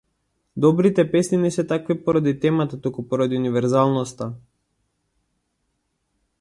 Добрите песни не се такви поради темата, туку поради универзалноста.